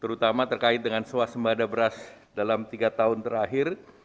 terutama terkait dengan swasembada beras dalam tiga tahun terakhir